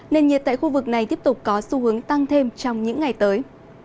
nền nhiệt tại khu vực này tiếp tục có xu hướng tăng thêm trong những ngày tới